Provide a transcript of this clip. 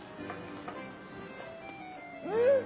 うん！